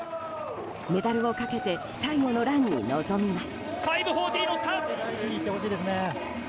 メダルをかけて最後のランに臨みます。